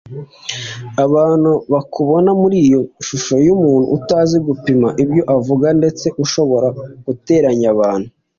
Abantu bakubona muri iyo shusho y’umuntu utazi gupima ibyo avuga ndetse ushobora guteranya abantu